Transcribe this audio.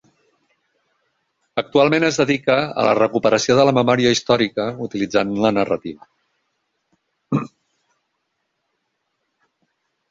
Actualment es dedica a la recuperació de la memòria històrica utilitzant la narrativa.